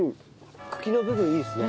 茎の部分いいですね。